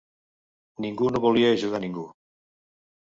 Ningú no volia ajudar ningú.